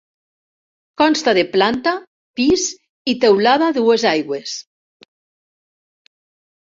Consta de planta, pis i teulada a dues aigües.